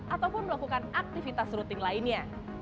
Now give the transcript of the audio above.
ataupun melakukan aktivitas rutin lainnya